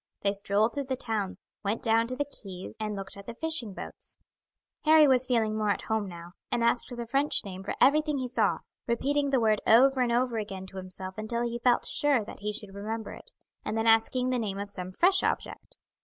They strolled through the town, went down to the quays and looked at the fishing boats; Harry was feeling more at home now, and asked the French name for everything he saw, repeating the word over and over again to himself until he felt sure that he should remember it, and then asking the name of some fresh object.